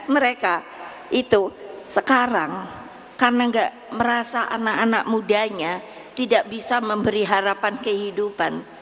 mereka itu sekarang karena nggak merasa anak anak mudanya tidak bisa memberi harapan kehidupan